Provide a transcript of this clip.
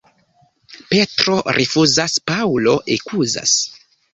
Petro rifuzas, Paŭlo ekuzas.